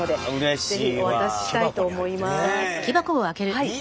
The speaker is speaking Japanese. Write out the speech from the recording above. はい。